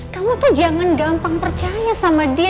kamu tuh jangan gampang percaya sama dia